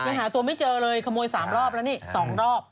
เหมือนหาตัวไม่เจอเลยขโมยสามรอบแล้วนี่สองรอบ